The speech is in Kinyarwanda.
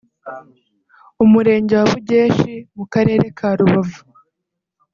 Umurenge wa Bugeshi mu Karere ka Rubavu